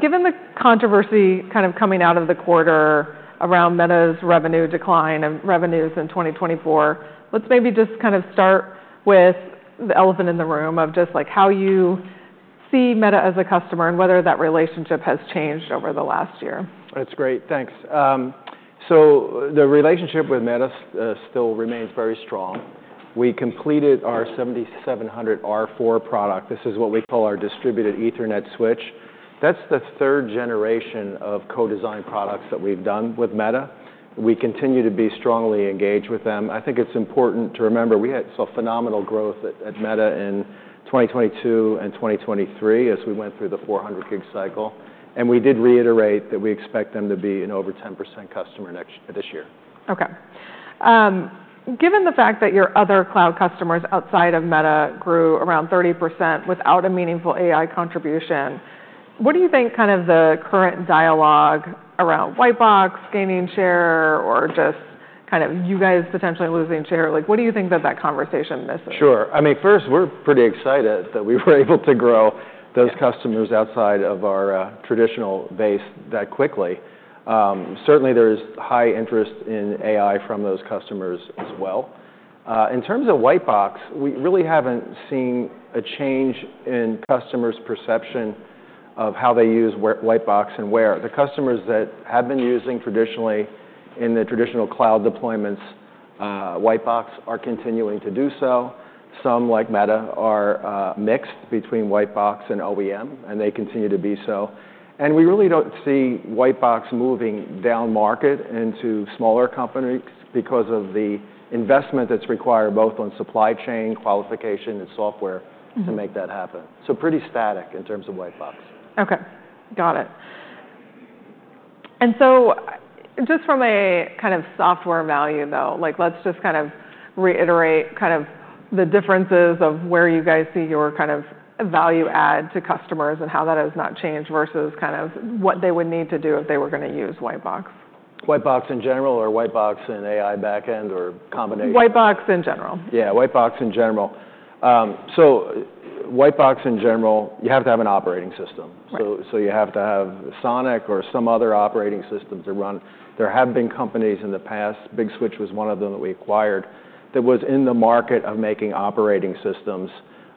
Given the controversy kind of coming out of the quarter around Meta's revenue decline and revenues in 2024, let's maybe just kind of start with the elephant in the room of just like how you see Meta as a customer and whether that relationship has changed over the last year. That's great. Thanks. So the relationship with Meta still remains very strong. We completed our 7700R4 product. This is what we call our distributed Ethernet switch. That's the third generation of co-design products that we've done with Meta. We continue to be strongly engaged with them. I think it's important to remember we had some phenomenal growth at Meta in 2022 and 2023 as we went through the 400 gig cycle, and we did reiterate that we expect them to be an over 10% customer next this year. Okay. Given the fact that your other cloud customers outside of Meta grew around 30% without a meaningful AI contribution, what do you think kind of the current dialogue around whitebox gaining share or just kind of you guys potentially losing share? Like what do you think that that conversation misses? Sure. I mean, first, we're pretty excited that we were able to grow those customers outside of our traditional base that quickly. Certainly, there is high interest in AI from those customers as well. In terms of white box, we really haven't seen a change in customers' perception of how they use white box and where. The customers that have been using traditionally in the traditional cloud deployments, white box are continuing to do so. Some, like Meta, are mixed between whitebox and OEM, and they continue to be so, and we really don't see white box moving down market into smaller companies because of the investment that's required both on supply chain, qualification, and software to make that happen, so pretty static in terms of white box. Okay. Got it, and so just from a kind of software value, though, like, let's just kind of reiterate kind of the differences of where you guys see your kind of value add to customers and how that has not changed versus kind of what they would need to do if they were going to use whitebox? Whitebox in general or Whitebox and AI backend or combination? Whitebox in general. Yeah, whitebox in general, so whitebox in general you have to have an operating system, so you have to have SONiC or some other operating system to run. There have been companies in the past, Big Switch was one of them that we acquired, that was in the market of making operating systems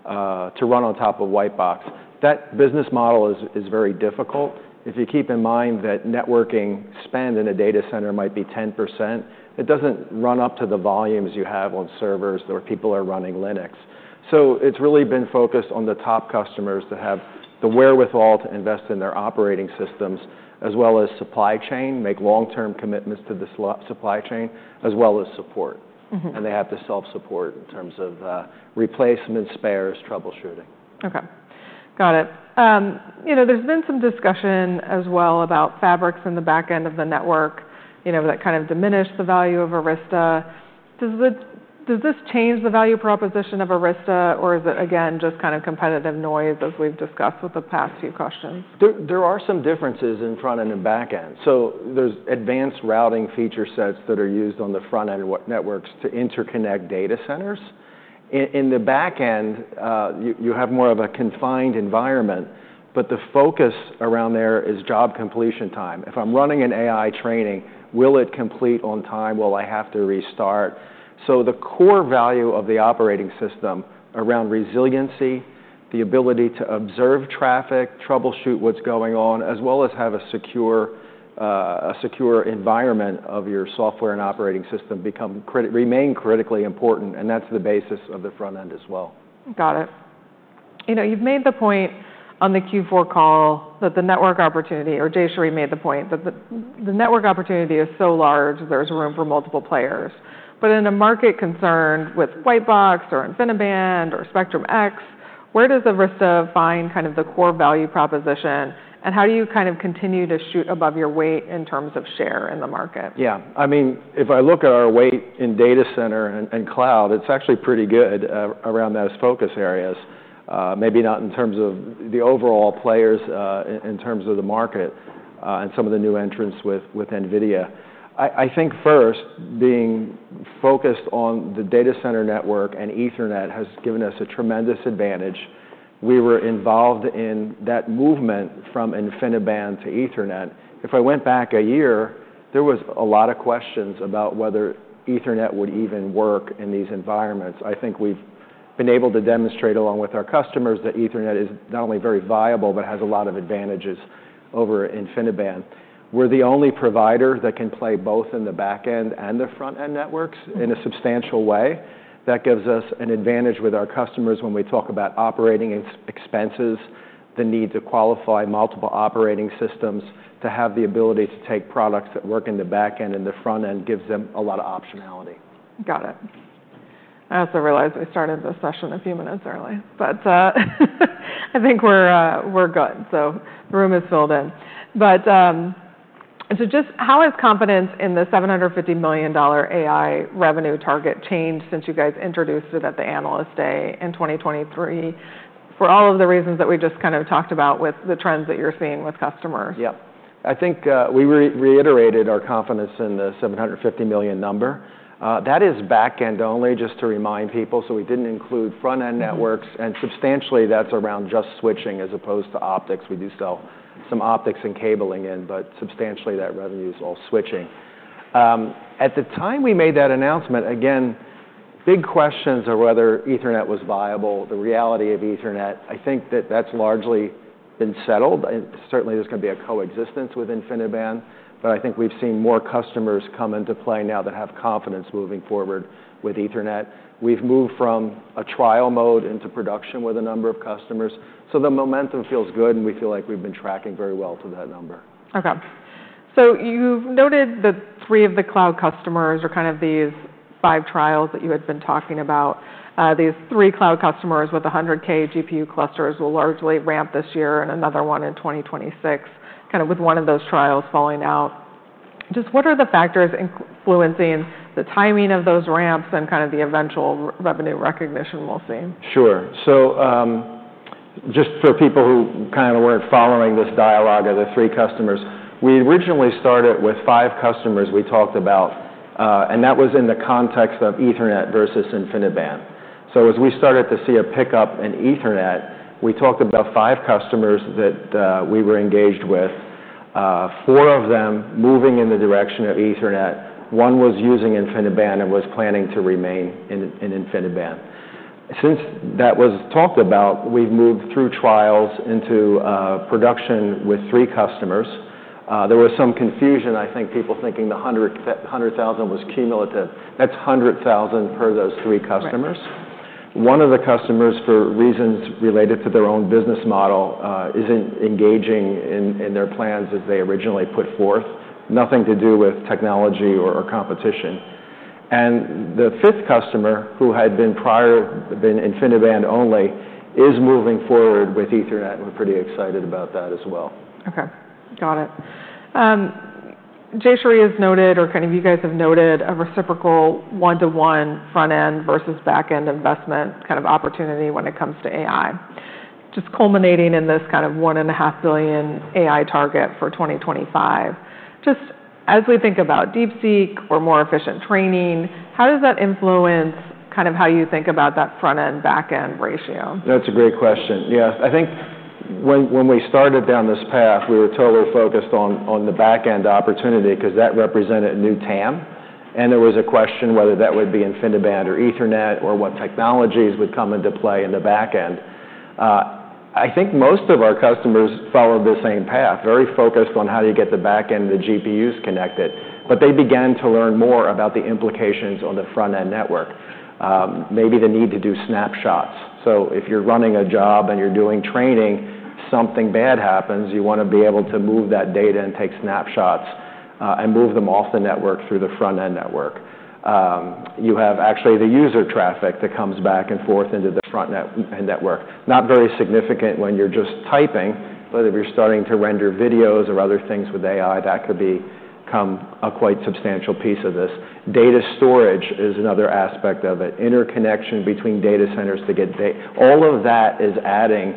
to run on top of whitebox. That business model is very difficult. If you keep in mind that networking spend in a data center might be 10%, it doesn't run up to the volumes you have on servers where people are running Linux. So it's really been focused on the top customers that have the wherewithal to invest in their operating systems as well as supply chain, make long-term commitments to the supply chain, as well as support, and they have to self-support in terms of replacements, spares, troubleshooting. Okay. Got it. You know, there's been some discussion as well about fabrics in the back end of the network, you know, that kind of diminish the value of Arista. Does this change the value proposition of Arista, or is it, again, just kind of competitive noise as we've discussed with the past few questions? There are some differences in front and in back end. So there's advanced routing feature sets that are used on the front end networks to interconnect data centers. In the back end, you have more of a confined environment, but the focus around there is job completion time. If I'm running an AI training, will it complete on time? Will I have to restart? So the core value of the operating system around resiliency, the ability to observe traffic, troubleshoot what's going on, as well as have a secure environment of your software and operating system remain critically important. And that's the basis of the front end as well. Got it. You know, you've made the point on the Q4 call that the network opportunity, or Jayshree made the point that the network opportunity is so large, there's room for multiple players. But in a market concerned with whitebox or InfiniBand or Spectrum-X, where does Arista find kind of the core value proposition, and how do you kind of continue to shoot above your weight in terms of share in the market? Yeah. I mean, if I look at our weight in data center and cloud, it's actually pretty good around those focus areas. Maybe not in terms of the overall players, in terms of the market and some of the new entrants with NVIDIA. I think first, being focused on the data center network and Ethernet has given us a tremendous advantage. We were involved in that movement from InfiniBand to Ethernet. If I went back a year, there was a lot of questions about whether Ethernet would even work in these environments. I think we've been able to demonstrate along with our customers that Ethernet is not only very viable, but has a lot of advantages over InfiniBand. We're the only provider that can play both in the back end and the front end networks in a substantial way. That gives us an advantage with our customers when we talk about operating expenses, the need to qualify multiple operating systems to have the ability to take products that work in the back end and the front end gives them a lot of optionality. Got it. I also realized we started this session a few minutes early, but I think we're good, so the room is filled in. But, so, just how has confidence in the $750 million AI revenue target changed since you guys introduced it at the Analyst Day in 2023 for all of the reasons that we just kind of talked about with the trends that you're seeing with customers? Yeah. I think we reiterated our confidence in the $750 million number. That is back end only, just to remind people. So we didn't include front end networks, and substantially that's around just switching as opposed to optics. We do sell some optics and cabling in, but substantially that revenue is all switching. At the time we made that announcement, again, big questions are whether Ethernet was viable, the reality of Ethernet. I think that that's largely been settled. Certainly, there's going to be a coexistence with InfiniBand, but I think we've seen more customers come into play now that have confidence moving forward with Ethernet. We've moved from a trial mode into production with a number of customers. So the momentum feels good, and we feel like we've been tracking very well to that number. Okay. So you've noted that three of the cloud customers are kind of these five trials that you had been talking about. These three cloud customers with 100K GPU clusters will largely ramp this year and another one in 2026, kind of with one of those trials falling out. Just what are the factors influencing the timing of those ramps and kind of the eventual revenue recognition we'll see? Sure. So just for people who kind of weren't following this dialogue of the three customers, we originally started with five customers we talked about, and that was in the context of Ethernet versus InfiniBand. So as we started to see a pickup in Ethernet, we talked about five customers that we were engaged with, four of them moving in the direction of Ethernet. One was using InfiniBand and was planning to remain in InfiniBand. Since that was talked about, we've moved through trials into production with three customers. There was some confusion, I think people thinking the 100,000 was cumulative. That's 100,000 per those three customers. One of the customers, for reasons related to their own business model, isn't engaging in their plans as they originally put forth, nothing to do with technology or competition. The fifth customer, who had been prior InfiniBand only, is moving forward with Ethernet. We're pretty excited about that as well. Okay. Got it. Jayshree has noted, or kind of you guys have noted, a reciprocal one-to-one front end versus back end investment kind of opportunity when it comes to AI, just culminating in this kind of $1.5 billion AI target for 2025. Just as we think about DeepSeek or more efficient training, how does that influence kind of how you think about that front end back end ratio? That's a great question. Yeah. I think when we started down this path, we were totally focused on the back end opportunity because that represented a new TAM, and there was a question whether that would be InfiniBand or Ethernet or what technologies would come into play in the back end. I think most of our customers followed the same path, very focused on how do you get the back end of the GPUs connected, but they began to learn more about the implications on the front end network, maybe the need to do snapshots, so if you're running a job and you're doing training, something bad happens, you want to be able to move that data and take snapshots and move them off the network through the front end network. You have actually the user traffic that comes back and forth into the front end network, not very significant when you're just typing, but if you're starting to render videos or other things with AI, that could become a quite substantial piece of this. Data storage is another aspect of it, interconnection between data centers to get data. All of that is adding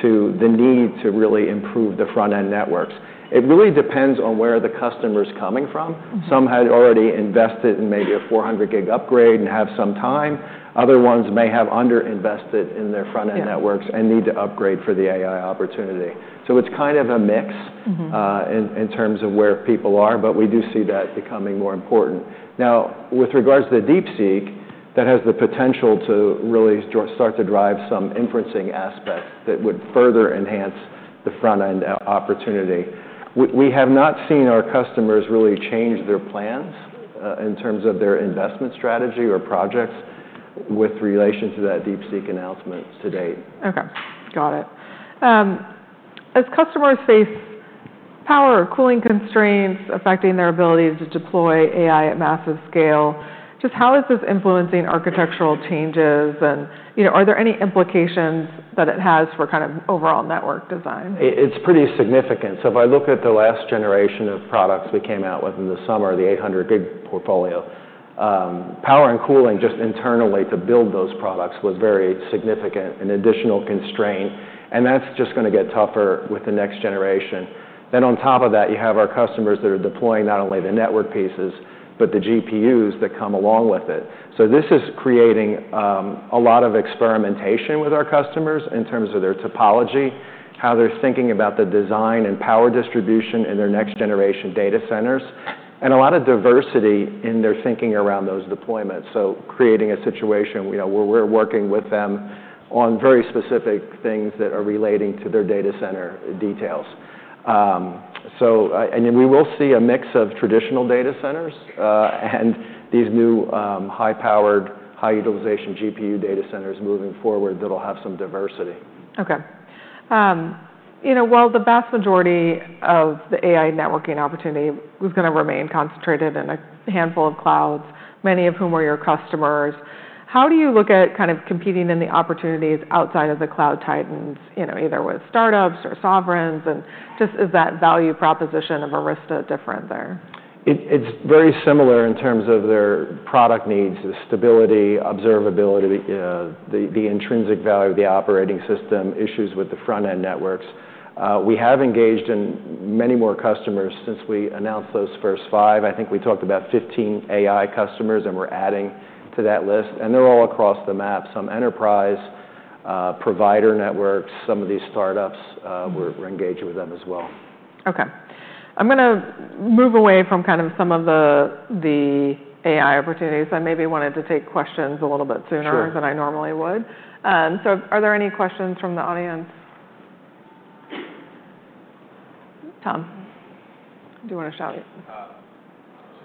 to the need to really improve the front end networks. It really depends on where the customer's coming from. Some had already invested in maybe a 400 Gig upgrade and have some time. Other ones may have underinvested in their front end networks and need to upgrade for the AI opportunity, so it's kind of a mix in terms of where people are, but we do see that becoming more important. Now, with regards to the DeepSeek, that has the potential to really start to drive some inferencing aspects that would further enhance the front end opportunity. We have not seen our customers really change their plans in terms of their investment strategy or projects with relation to that DeepSeek announcement to date. Okay. Got it. As customers face power or cooling constraints affecting their ability to deploy AI at massive scale, just how is this influencing architectural changes and are there any implications that it has for kind of overall network design? It's pretty significant, so if I look at the last generation of products we came out with in the summer, the 800 gig portfolio, power and cooling just internally to build those products was very significant, an additional constraint, and that's just going to get tougher with the next generation, then on top of that, you have our customers that are deploying not only the network pieces, but the GPUs that come along with it, so this is creating a lot of experimentation with our customers in terms of their topology, how they're thinking about the design and power distribution in their next generation data centers, and a lot of diversity in their thinking around those deployments, so creating a situation where we're working with them on very specific things that are relating to their data center details. So we will see a mix of traditional data centers and these new high-powered, high-utilization GPU data centers moving forward that'll have some diversity. Okay. You know, while the vast majority of the AI networking opportunity was going to remain concentrated in a handful of clouds, many of whom are your customers, how do you look at kind of competing in the opportunities outside of the cloud titans, you know, either with startups or sovereigns? And just, is that value proposition of Arista different there? It's very similar in terms of their product needs, the stability, observability, the intrinsic value of the operating system, issues with the front end networks. We have engaged with many more customers since we announced those first five. I think we talked about 15 AI customers, and we're adding to that list, and they're all across the map, some enterprise provider networks, some of these startups. We're engaged with them as well. Okay. I'm going to move away from kind of some of the AI opportunities. I maybe wanted to take questions a little bit sooner than I normally would. So are there any questions from the audience? Tom, do you want to shout? Just,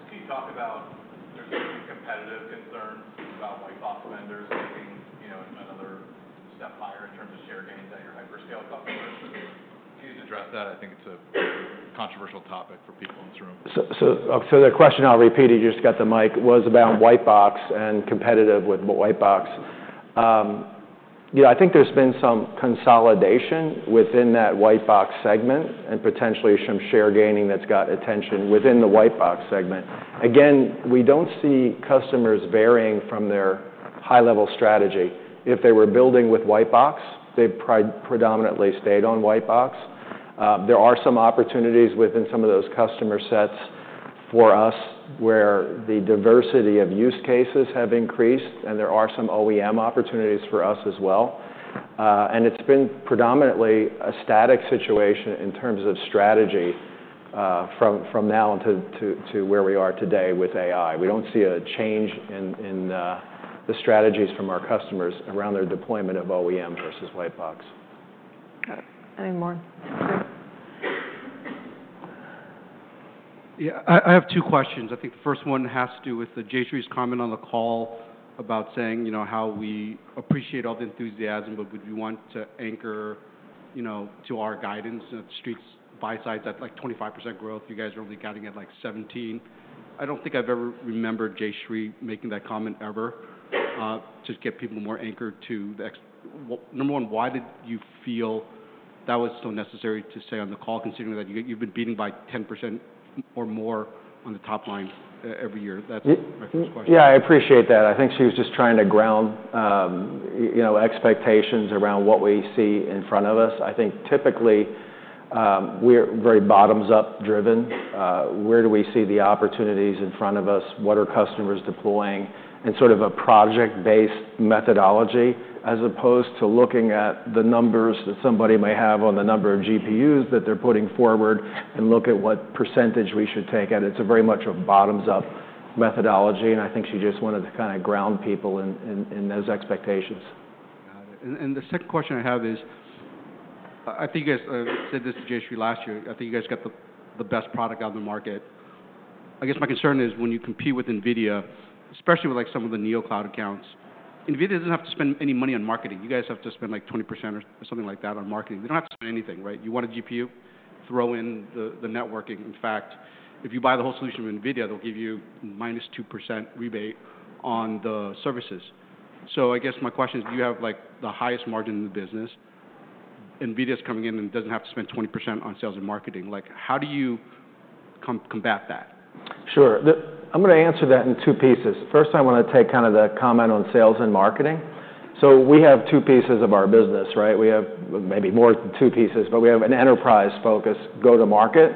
can you talk about there's some competitive concerns about white box vendors taking another step higher in terms of share gains at your hyperscale customers? Can you address that? I think it's a controversial topic for people in this room. So the question I'll repeat if you just got the mic was about white box and competitive with white box. You know, I think there's been some consolidation within that white box segment and potentially some share gaining that's got attention within the white box segment. Again, we don't see customers varying from their high-level strategy. If they were building with white box, they've predominantly stayed on white box. There are some opportunities within some of those customer sets for us where the diversity of use cases have increased, and there are some OEM opportunities for us as well. And it's been predominantly a static situation in terms of strategy from now until where we are today with AI. We don't see a change in the strategies from our customers around their deployment of OEM versus white box. Any more? Yeah, I have two questions. I think the first one has to do with Jayshree's comment on the call about saying, you know, how we appreciate all the enthusiasm, but we want to anchor, you know, to our guidance of the Street's buy-side at like 25% growth. You guys are only guiding at like 17%. I don't think I've ever remembered Jayshree making that comment ever to get people more anchored to the number. One, why did you feel that was so necessary to say on the call, considering that you've been beating by 10% or more on the top line every year? That's my first question. Yeah, I appreciate that. I think she was just trying to ground, you know, expectations around what we see in front of us. I think typically we're very bottoms up driven. Where do we see the opportunities in front of us? What are customers deploying? And sort of a project-based methodology as opposed to looking at the numbers that somebody might have on the number of GPUs that they're putting forward and look at what percentage we should take at. It's very much a bottoms up methodology, and I think she just wanted to kind of ground people in those expectations. Got it. And the second question I have is, I think you guys said this to Jayshree last year. I think you guys got the best product out in the market. I guess my concern is when you compete with NVIDIA, especially with like some of the NeoCloud accounts, NVIDIA doesn't have to spend any money on marketing. You guys have to spend like 20% or something like that on marketing. They don't have to spend anything, right? You want a GPU, throw in the networking. In fact, if you buy the whole solution from NVIDIA, they'll give you minus 2% rebate on the services. So I guess my question is, do you have like the highest margin in the business? NVIDIA is coming in and doesn't have to spend 20% on sales and marketing. Like how do you combat that? Sure. I'm going to answer that in two pieces. First, I want to take kind of the comment on sales and marketing. So we have two pieces of our business, right? We have maybe more than two pieces, but we have an enterprise focus, go-to-market,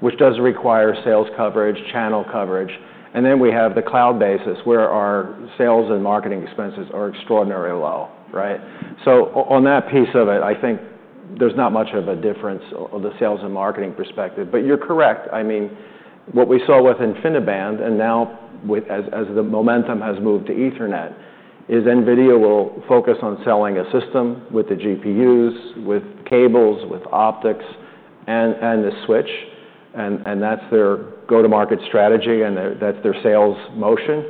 which does require sales coverage, channel coverage. And then we have the cloud basis where our sales and marketing expenses are extraordinarily low, right? So on that piece of it, I think there's not much of a difference on the sales and marketing perspective. But you're correct. I mean, what we saw with InfiniBand and now as the momentum has moved to Ethernet is NVIDIA will focus on selling a system with the GPUs, with cables, with optics, and the switch. And that's their go-to-market strategy, and that's their sales motion.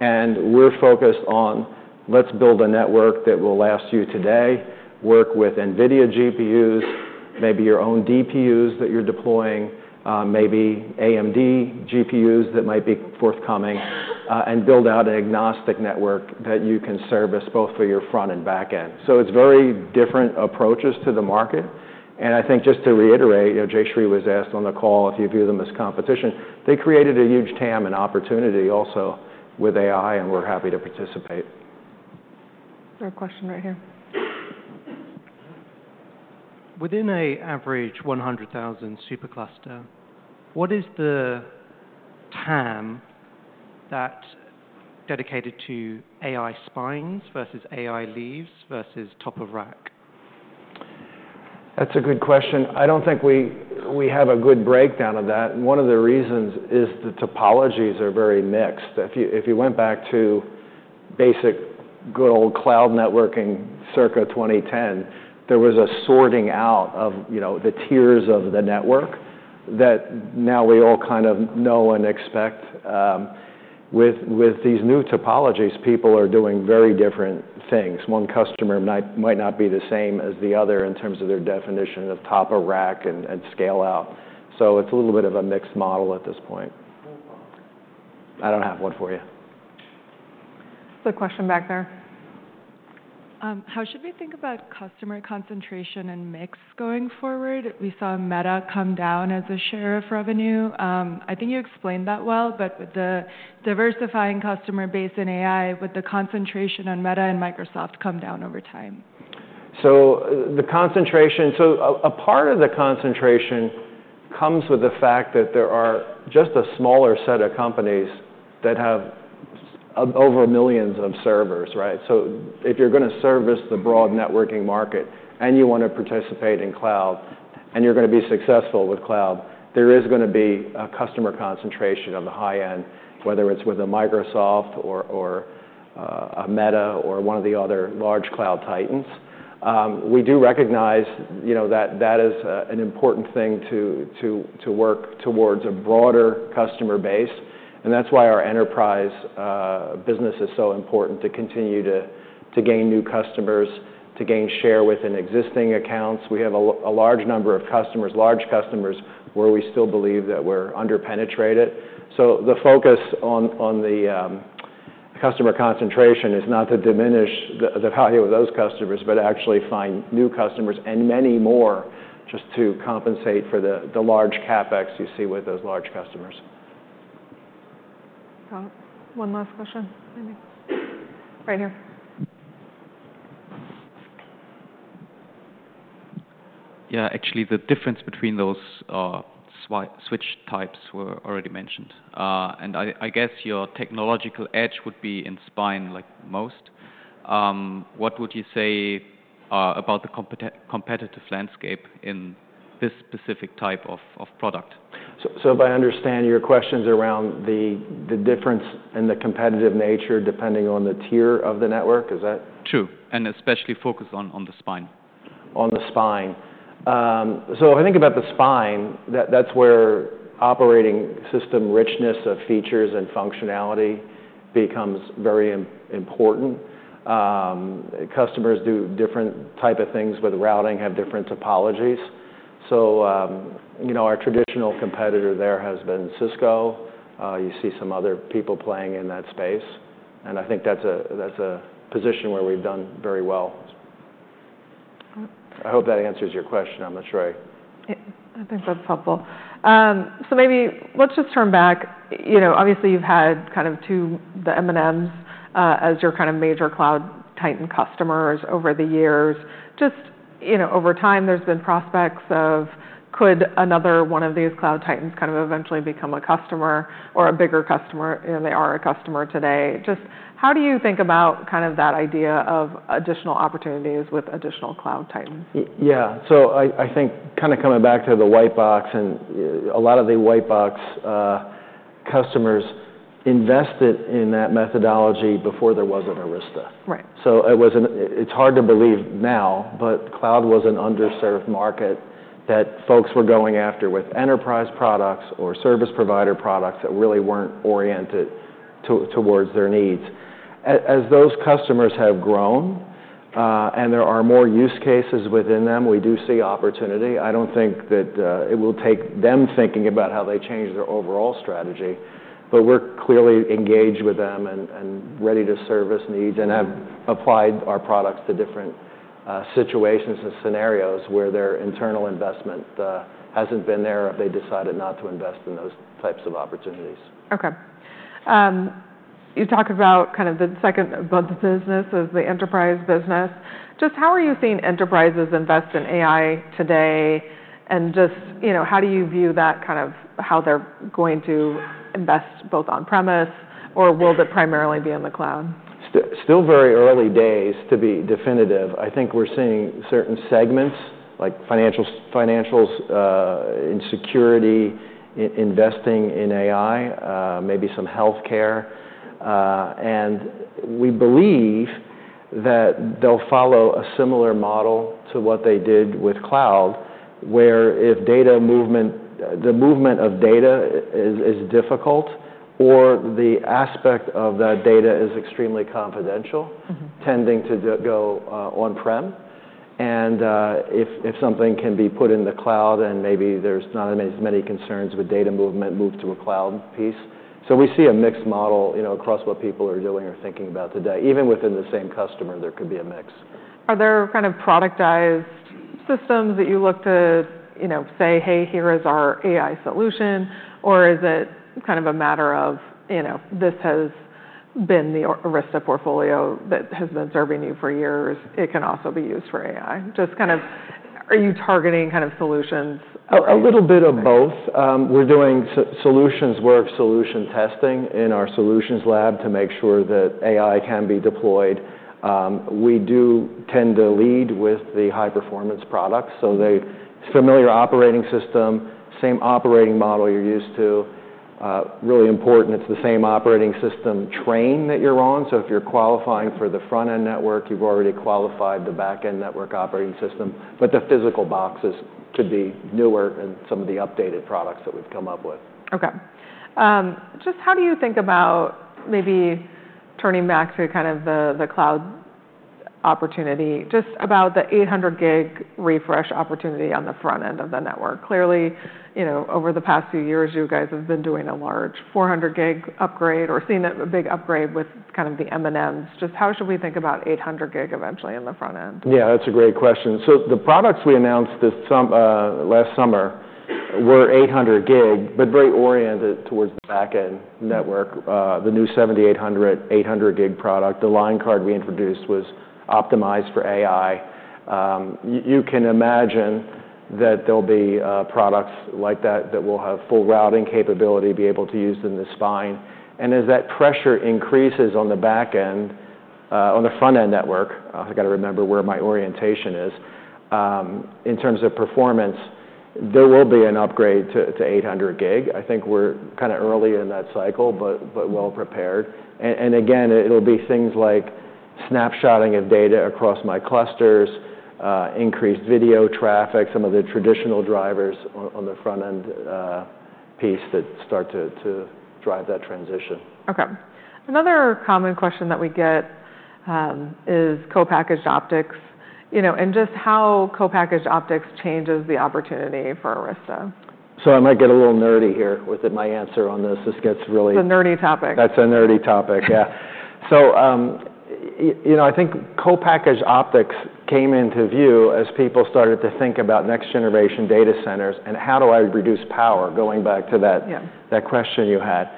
And we're focused on, let's build a network that will last you today, work with NVIDIA GPUs, maybe your own DPUs that you're deploying, maybe AMD GPUs that might be forthcoming, and build out an agnostic network that you can service both for your front and back end. So it's very different approaches to the market. And I think just to reiterate, Jayshree was asked on the call if you view them as competition. They created a huge TAM and opportunity also with AI, and we're happy to participate. Question right here. Within an average 100,000 supercluster, what is the TAM that's dedicated to AI spines versus AI leaves versus Top of Rack? That's a good question. I don't think we have a good breakdown of that. One of the reasons is the topologies are very mixed. If you went back to basic good old cloud networking circa 2010, there was a sorting out of the tiers of the network that now we all kind of know and expect. With these new topologies, people are doing very different things. One customer might not be the same as the other in terms of their definition of top of rack and scale out. So it's a little bit of a mixed model at this point. I don't have one for you. Question back there. How should we think about customer concentration and mix going forward? We saw Meta come down as a share of revenue. I think you explained that well, but with the diversifying customer base in AI, would the concentration on Meta and Microsoft come down over time? So the concentration, so a part of the concentration comes with the fact that there are just a smaller set of companies that have over millions of servers, right? So if you're going to service the broad networking market and you want to participate in cloud and you're going to be successful with cloud, there is going to be a customer concentration on the high end, whether it's with a Microsoft or a Meta or one of the other large cloud titans. We do recognize that that is an important thing to work towards a broader customer base. And that's why our enterprise business is so important to continue to gain new customers, to gain share within existing accounts. We have a large number of customers, large customers where we still believe that we're under-penetrated. So, the focus on the customer concentration is not to diminish the value of those customers, but actually find new customers and many more just to compensate for the large CapEx you see with those large customers. One last question, maybe right here. Yeah, actually the difference between those switch types were already mentioned, and I guess your technological edge would be in spine like most. What would you say about the competitive landscape in this specific type of product? So if I understand your questions around the difference in the competitive nature depending on the tier of the network, is that? True. And especially focus on the spine. On the spine. So if I think about the spine, that's where operating system richness of features and functionality becomes very important. Customers do different types of things with routing, have different topologies. So our traditional competitor there has been Cisco. You see some other people playing in that space. And I think that's a position where we've done very well. I hope that answers your question. I'm not sure. I think that's helpful. So maybe let's just turn back. You know, obviously you've had kind of the M&Ms as your kind of major cloud titan customers over the years. Just over time, there's been prospects of could another one of these cloud titans kind of eventually become a customer or a bigger customer? And they are a customer today. Just how do you think about kind of that idea of additional opportunities with additional cloud titans? Yeah. So I think kind of coming back to the white box, and a lot of the white box customers invested in that methodology before there was an Arista. So it's hard to believe now, but cloud was an underserved market that folks were going after with enterprise products or service provider products that really weren't oriented towards their needs. As those customers have grown and there are more use cases within them, we do see opportunity. I don't think that it will take them thinking about how they change their overall strategy, but we're clearly engaged with them and ready to service needs and have applied our products to different situations and scenarios where their internal investment hasn't been there if they decided not to invest in those types of opportunities. Okay. You talked about kind of the second of the business is the enterprise business. Just how are you seeing enterprises invest in AI today? And just how do you view that kind of how they're going to invest both on-premise or will that primarily be in the cloud? Still very early days to be definitive. I think we're seeing certain segments like financials in security, investing in AI, maybe some healthcare. And we believe that they'll follow a similar model to what they did with cloud, where if data movement, the movement of data is difficult or the aspect of that data is extremely confidential, tending to go on-prem. And if something can be put in the cloud and maybe there's not as many concerns with data movement, move to a cloud piece. So we see a mixed model across what people are doing or thinking about today. Even within the same customer, there could be a mix. Are there kind of productized systems that you look to say, "Hey, here is our AI solution," or is it kind of a matter of, "This has been the Arista portfolio that has been serving you for years. It can also be used for AI"? Just kind of are you targeting kind of solutions? A little bit of both. We're doing solutions work, solution testing in our solutions lab to make sure that AI can be deployed. We do tend to lead with the high-performance products, so the familiar operating system, same operating model you're used to. Really important, it's the same operating system train that you're on, so if you're qualifying for the front-end network, you've already qualified the back-end network operating system. But the physical boxes could be newer and some of the updated products that we've come up with. Okay. Just how do you think about maybe turning back to kind of the cloud opportunity, just about the 800 gig refresh opportunity on the front end of the network? Clearly, over the past few years, you guys have been doing a large 400 gig upgrade or seen a big upgrade with kind of the M&Ms. Just how should we think about 800 gig eventually in the front end? Yeah, that's a great question. So the products we announced last summer were 800 gig, but very oriented towards the back-end network, the new 7800, 800 gig product. The line card we introduced was optimized for AI. You can imagine that there'll be products like that that will have full routing capability, be able to use in the spine. And as that pressure increases on the back-end, on the front-end network, I got to remember where my orientation is, in terms of performance, there will be an upgrade to 800 gig. I think we're kind of early in that cycle, but well prepared. And again, it'll be things like snapshotting of data across my clusters, increased video traffic, some of the traditional drivers on the front-end piece that start to drive that transition. Okay. Another common question that we get is co-packaged optics and just how co-packaged optics changes the opportunity for Arista. I might get a little nerdy here with my answer on this. This gets really. It's a nerdy topic. That's a nerdy topic, yeah, so I think co-packaged optics came into view as people started to think about next-generation data centers and how do I reduce power, going back to that question you had,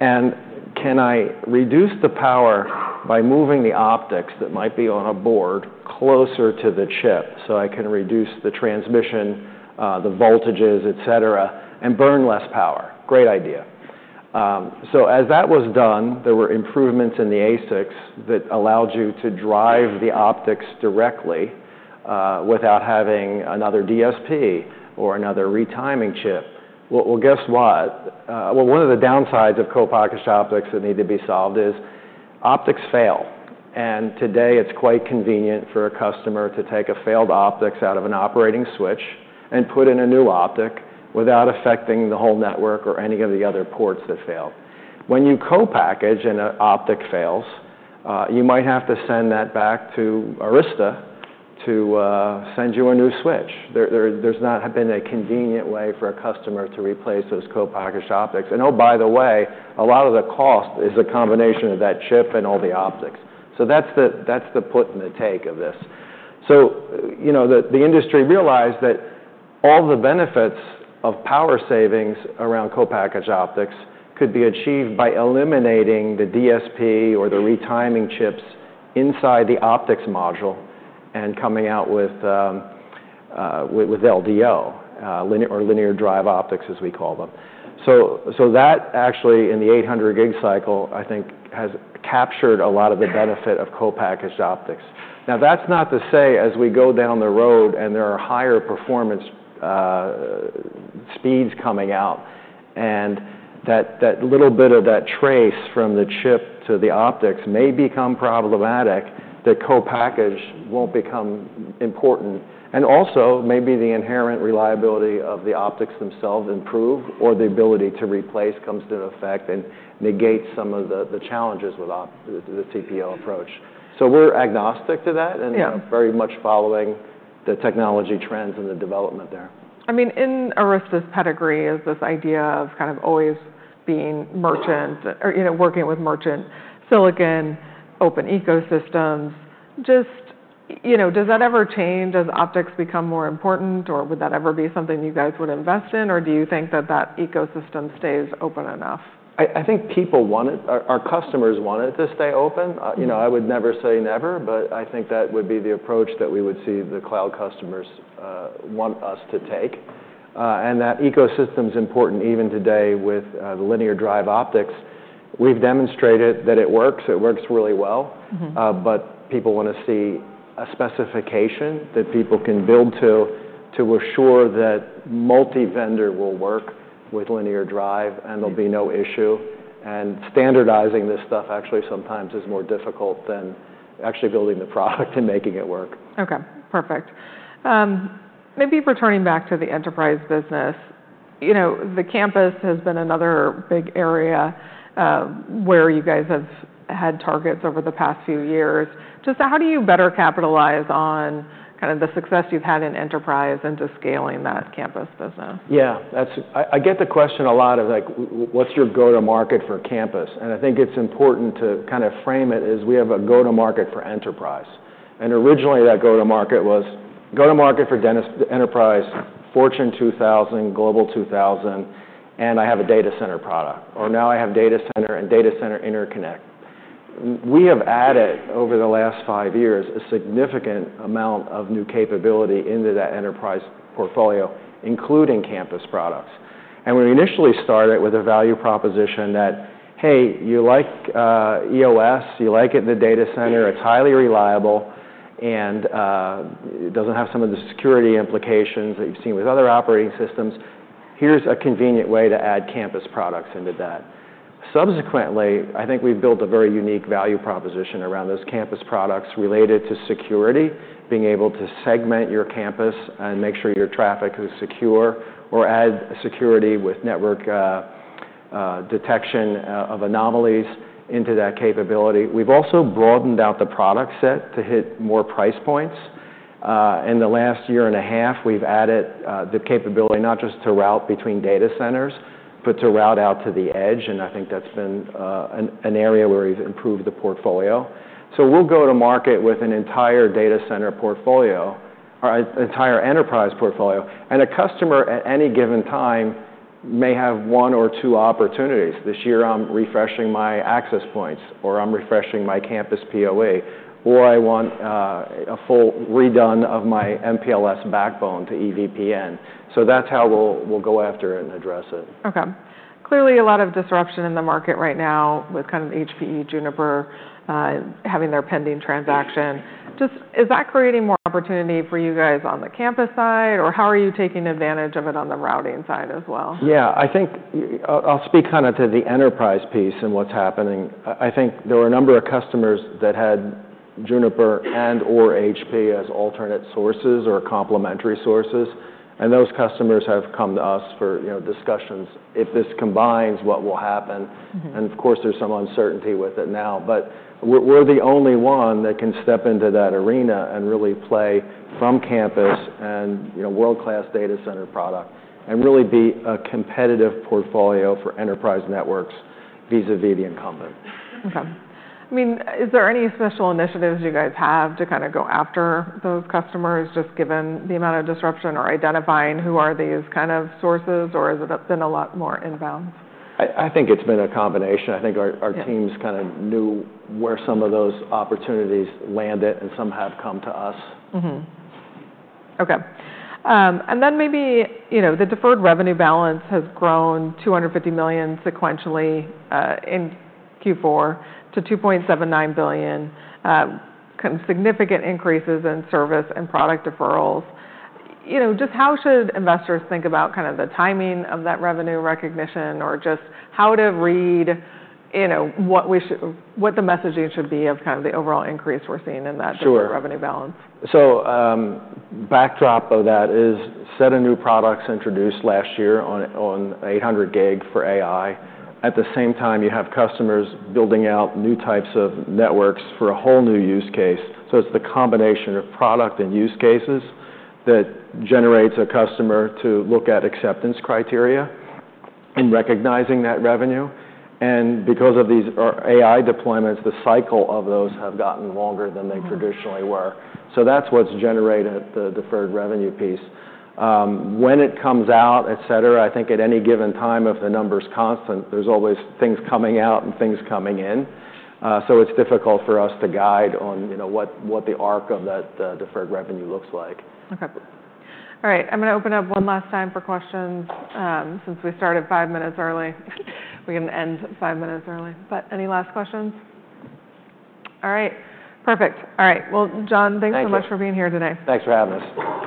and can I reduce the power by moving the optics that might be on a board closer to the chip so I can reduce the transmission, the voltages, etc., and burn less power? Great idea, so as that was done, there were improvements in the ASICs that allowed you to drive the optics directly without having another DSP or another retiming chip, well, guess what, well, one of the downsides of co-packaged optics that need to be solved is optics fail. Today, it's quite convenient for a customer to take a failed optics out of an operating switch and put in a new optic without affecting the whole network or any of the other ports that fail. When you co-package and an optic fails, you might have to send that back to Arista to send you a new switch. There's not been a convenient way for a customer to replace those co-packaged optics. And oh, by the way, a lot of the cost is a combination of that chip and all the optics. So that's the put and the take of this. The industry realized that all the benefits of power savings around co-packaged optics could be achieved by eliminating the DSP or the retiming chips inside the optics module and coming out with LDO or linear drive optics, as we call them. So that actually, in the 800 Gig cycle, I think has captured a lot of the benefit of co-packaged optics. Now, that's not to say as we go down the road and there are higher performance speeds coming out and that little bit of that trace from the chip to the optics may become problematic, that co-packaged won't become important. And also maybe the inherent reliability of the optics themselves improves or the ability to replace comes into effect and negates some of the challenges with the CPO approach. So we're agnostic to that and very much following the technology trends and the development there. I mean, in Arista's pedigree is this idea of kind of always being merchant, working with merchant silicon, open ecosystems. Just, does that ever change as optics become more important, or would that ever be something you guys would invest in, or do you think that that ecosystem stays open enough? I think people want it. Our customers want it to stay open. I would never say never, but I think that would be the approach that we would see the cloud customers want us to take, and that ecosystem is important even today with the linear drive optics. We've demonstrated that it works. It works really well. But people want to see a specification that people can build to assure that multi-vendor will work with linear drive and there'll be no issue, and standardizing this stuff actually sometimes is more difficult than actually building the product and making it work. Okay. Perfect. Maybe returning back to the enterprise business, the campus has been another big area where you guys have had targets over the past few years. Just how do you better capitalize on kind of the success you've had in enterprise into scaling that campus business? Yeah. I get the question a lot of like, what's your go-to-market for campus? And I think it's important to kind of frame it as we have a go-to-market for enterprise. And originally that go-to-market was go-to-market for end-user enterprise, Fortune 2000, Global 2000, and I have a data center product. Or now I have data center and data center interconnect. We have added over the last five years a significant amount of new capability into that enterprise portfolio, including campus products. And we initially started with a value proposition that, hey, you like EOS, you like it in the data center, it's highly reliable and it doesn't have some of the security implications that you've seen with other operating systems. Here's a convenient way to add campus products into that. Subsequently, I think we've built a very unique value proposition around those campus products related to security, being able to segment your campus and make sure your traffic is secure or add security with network detection of anomalies into that capability. We've also broadened out the product set to hit more price points. In the last year and a half, we've added the capability not just to route between data centers, but to route out to the edge. And I think that's been an area where we've improved the portfolio. So we'll go to market with an entire data center portfolio or entire enterprise portfolio. And a customer at any given time may have one or two opportunities. This year I'm refreshing my access points or I'm refreshing my campus PoE or I want a full redone of my MPLS backbone to EVPN. So that's how we'll go after it and address it. Okay. Clearly a lot of disruption in the market right now with kind of HPE Juniper having their pending transaction. Just, is that creating more opportunity for you guys on the campus side or how are you taking advantage of it on the routing side as well? Yeah. I think I'll speak kind of to the enterprise piece and what's happening. I think there were a number of customers that had Juniper and/or HP as alternate sources or complementary sources. And those customers have come to us for discussions if this combines what will happen. And of course, there's some uncertainty with it now. But we're the only one that can step into that arena and really play from campus and world-class data center product and really be a competitive portfolio for enterprise networks vis-à-vis the incumbent. Okay. I mean, is there any special initiatives you guys have to kind of go after those customers just given the amount of disruption or identifying who are these kind of sources or has it been a lot more inbound? I think it's been a combination. I think our teams kind of knew where some of those opportunities landed and some have come to us. Okay. And then maybe the deferred revenue balance has grown $250 million sequentially in Q4 to $2.79 billion, kind of significant increases in service and product deferrals. Just how should investors think about kind of the timing of that revenue recognition or just how to read what the messaging should be of kind of the overall increase we're seeing in that deferred revenue balance? Sure. So backdrop of that is set of new products introduced last year on 800 gig for AI. At the same time, you have customers building out new types of networks for a whole new use case. So it's the combination of product and use cases that generates a customer to look at acceptance criteria and recognizing that revenue. And because of these AI deployments, the cycle of those have gotten longer than they traditionally were. So that's what's generated the deferred revenue piece. When it comes out, etc., I think at any given time, if the number's constant, there's always things coming out and things coming in. So it's difficult for us to guide on what the arc of that deferred revenue looks like. Okay. All right. I'm going to open up one last time for questions since we started five minutes early. We can end five minutes early. But any last questions? All right. Perfect. All right. Well, John, thanks so much for being here today. Thanks for having us.